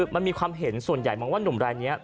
มันมีความเห็นส่วนใหญ่มองว่านุ่มรายนี้